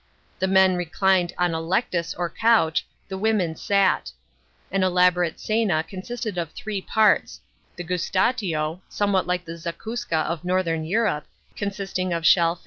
The men reclined on a lectus or couch, the women sat. An elaborate cena consisted of three parts : the ymtafio, somewhat like the Zakuska of Northern Europe, consisting of shell h>i.